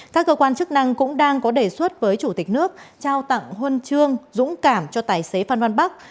các cơ quan chức năng cũng đang có đề xuất với chủ tịch nước trao tặng huân chương dũng cảm cho tài xế phan văn bắc